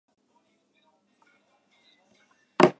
高橋海人